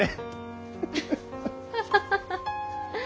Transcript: アハハハハ！